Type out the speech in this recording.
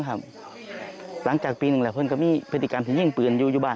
หลังจากปีหนึ่งแหละเพิ่งมีพฤติกรรมที่ยิงปืนยุบ่า